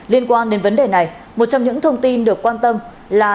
liên quan đến vấn đề này một trong những thông tin được quan tâm là